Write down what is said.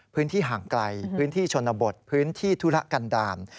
พื้นที่ห่างไกลพื้นที่ชนบทพื้นที่ธุระกันดาล